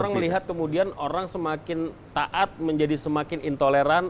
orang melihat kemudian orang semakin taat menjadi semakin intoleran